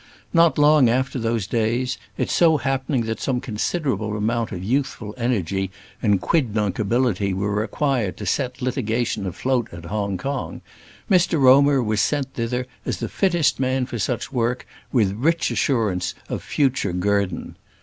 Not long after those days, it so happening that some considerable amount of youthful energy and quidnunc ability were required to set litigation afloat at Hong Kong, Mr Romer was sent thither as the fittest man for such work, with rich assurance of future guerdon.